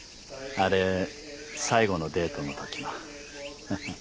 あれ最後のデートのときの。